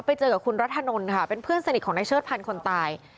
ไปเจอกับคุณรัฐนนท์ค่ะเป็นเพื่อนสนิทของนายเชิดพันธ์คนตาย